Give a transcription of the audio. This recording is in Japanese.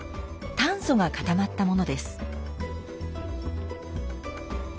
炭素が固まったものです。